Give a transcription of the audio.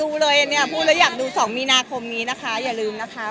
คุณคุณอยากดูเนี่ยอยากดู๒มีนาคมก็จะเข้าจุดนี้เนี่ย